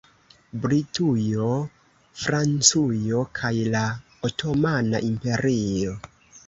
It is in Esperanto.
Britujo, Francujo kaj la Otomana Imperio.